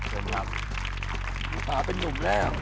น้องภูพาเป็นหนุ่งแล้ว